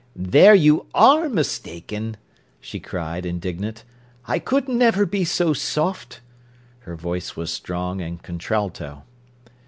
"There you are mistaken!" she cried, indignant. "I could never be so soft." Her voice was strong and contralto.